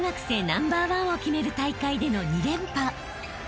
ナンバーワンを決める大会での２連覇］